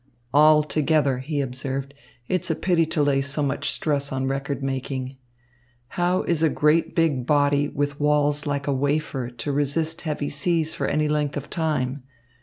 "Altogether," he observed, "it's a pity to lay so much stress on record making. How is a great big body with walls like a wafer to resist heavy seas for any length of time?